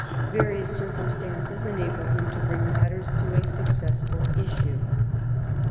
Various circum stances enabled him to bring matters to a successful issue.